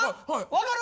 分かる？